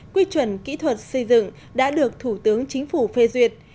quy chuẩn kỹ thuật xây dựng đã được thủ tướng chính phủ phê duyệt